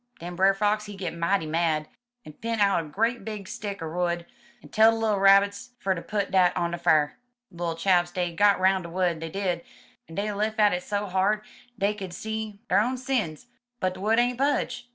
Den Brer Fox he git mighty mad, en p*int out a great big stick er wood, en tell de little Rab^ bits fer ter put dat on de fier. De little chaps dey got 'roun' de wood, dey did, en dey lif* at it so hard dey could see der own sins, but de wood ain't budge.